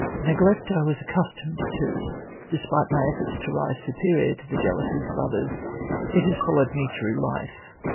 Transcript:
Neglect I was accustomed to. Despite my efforts to rise superior to the jealousies of others, it has followed me through life.